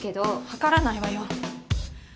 分からないわよ。